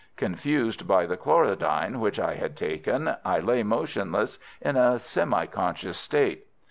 Confused by the chlorodyne which I had taken, I lay motionless in a semi conscious state.